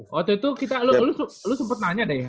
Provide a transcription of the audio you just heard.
waktu itu kita lu sempet nanya deh ya